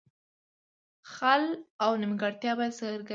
خل او نیمګړتیاوې باید څرګندې شي.